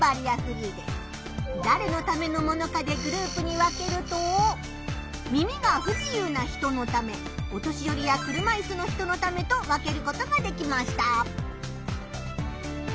だれのためのものかでグループに分けると耳が不自由な人のためお年よりや車いすの人のためと分けることができました。